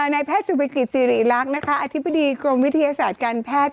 ในแพทย์สุพิกฤตซีริลักษณ์อธิบดีกรมวิทยาศาสตร์การแพทย์